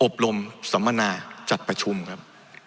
อบรมสัมมนาจัดประชุมครับ